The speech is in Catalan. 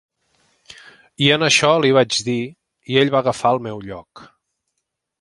I en això li vaig dir, i ell va agafar el meu lloc.